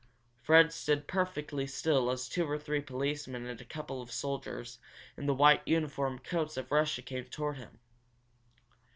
Fred stood perfectly still as two or three policemen and a couple of soldiers in the white uniform coats of Russia came toward him.